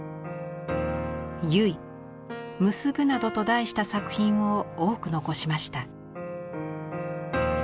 「結」「結ぶ」などと題した作品を多く残しました。